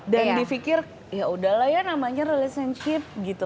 dan di pikir yaudahlah ya namanya relationship gitu